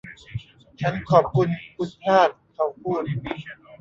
ฉันขอบคุณคุณพลาด เขาพูด